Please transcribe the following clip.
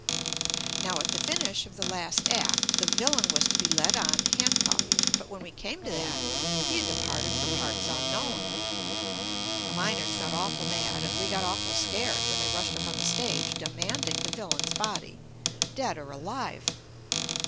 Now, at the finish of the last act, the villain was to be led on hand cuffed, but when we came to that, he had departed for parts un known. The miners got awful mad and we got awful scared, when they rushed up on the stage demanding the villain's body, dead or alive.